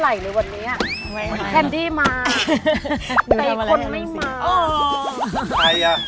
ลูกชายอะ